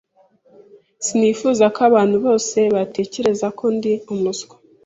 sinifuza ko abantu bose batekereza ko ndi umuswa.